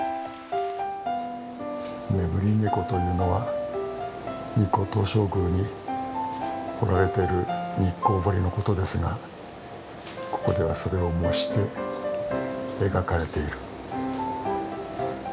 眠り猫というのは日光東照宮に彫られている日光彫のことですがここではそれを模して描かれている。